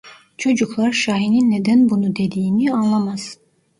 Çocuklar şahinin neden bunu dediğini anlamaz.